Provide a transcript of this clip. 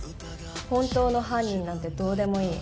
本当の犯人なんてどうでもいい。